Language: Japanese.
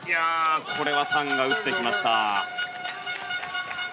これはタンが打ってきました。